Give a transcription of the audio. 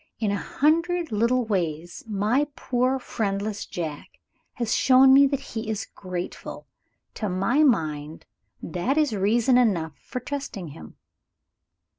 In a hundred little ways my poor friendless Jack has shown me that he is grateful. To my mind that is reason enough for trusting him."